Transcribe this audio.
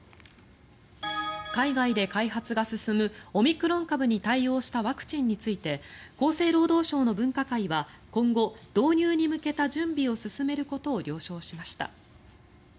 海外で開発が進むオミクロン株に対応したワクチンについて厚生労働省の分科会は今後、導入に向けた準備を進めることを了承しました。